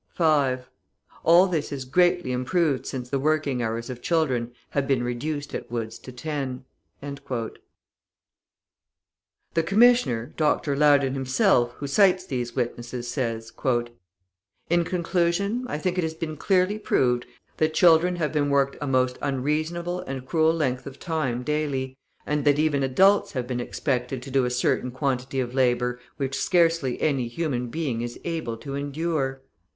(5) All this is greatly improved since the working hours of children have been reduced at Wood's to ten." The Commissioner, Dr. Loudon himself, who cites these witnesses, says: "In conclusion, I think it has been clearly proved that children have been worked a most unreasonable and cruel length of time daily, and that even adults have been expected to do a certain quantity of labour which scarcely any human being is able to endure.